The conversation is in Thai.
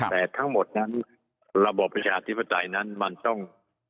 แต่ทั้งหมดนั้นระบบประชาธิปไตยนั้นมันต้อง